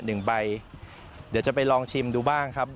เดี๋ยวจะไปลองชิมดูบ้างครับ